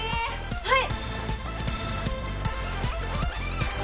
はい！